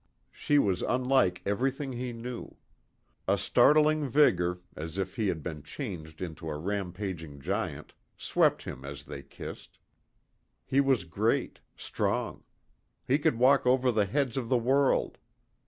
She was unlike everything he knew. A startling vigor, as if he had been changed into a rampaging giant, swept him as they kissed. He was great, strong. He could walk over the heads of the world.